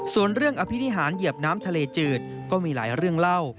ส่วนเรื่องอภินิหารเหยียบน้ำทะเลจืดก็มีหลายเรื่องเล่า